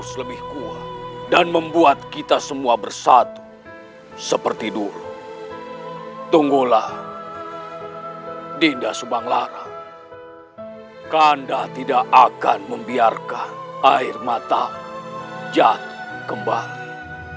dinda subang lara kakanda tidak akan membiarkan air mata jatuh kembali